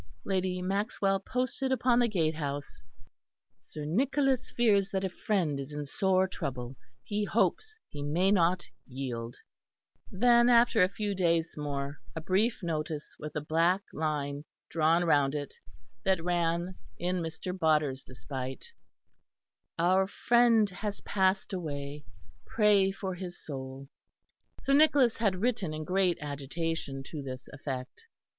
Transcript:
Lady Maxwell posted upon the gatehouse: "Sir Nicholas fears that a friend is in sore trouble; he hopes he may not yield." Then, after a few days more, a brief notice with a black line drawn round it, that ran, in Mr. Bodder's despite: "Our friend has passed away. Pray for his soul." Sir Nicholas had written in great agitation to this effect.